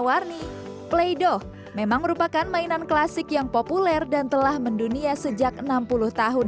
warni play doh memang merupakan mainan klasik yang populer dan telah mendunia sejak enam puluh tahun